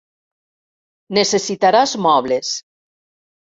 Necessitaràs mobles.